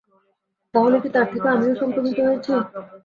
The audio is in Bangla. তাহলে কি তার থেকে আমিও সংক্রমিত হয়েছি?